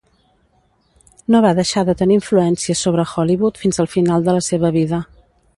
No va deixar de tenir influència sobre Hollywood fins al final de la seva vida.